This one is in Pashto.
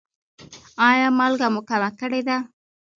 ایا مالګه مو کمه کړې ده؟